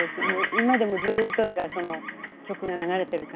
今でもずっとだからその曲が流れてる感じで。